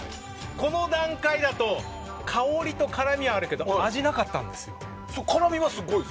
この段階だと香りと辛味があるけど味なかったんです。